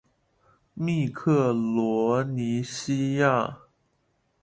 密克罗尼西亚。